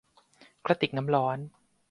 กระติกน้ำร้อน